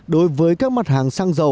đối với các mặt hàng xăng dầu